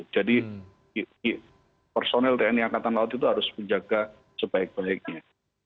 jadi personel tni al itu harus menjaga sebaik baiknya